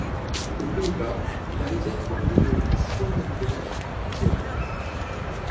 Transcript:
Aux Pays-Bas, la rivière prend le nom de Schoonebeker Diep.